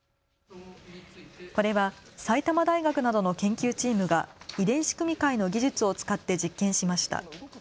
これは埼玉大学などの研究チームが遺伝子組み換えの技術を使って実験しました。